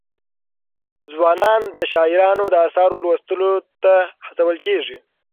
ځوانان د شاعرانو د اثارو لوستلو ته هڅول کېږي.